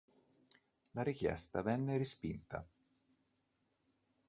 La richiesta venne respinta.